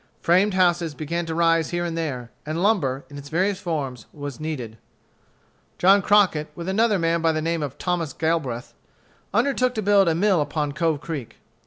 Framed houses began to rise here and there, and lumber, in its various forms, was needed. John Crockett, with another man by the name of Thomas Galbraith, undertook to build a mill upon Cove Creek.